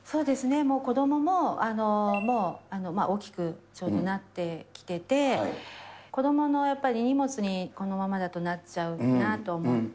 子どもももう大きくなってきてて、子どものやっぱり荷物にこのままだとなっちゃうなと思って。